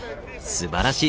すばらしい。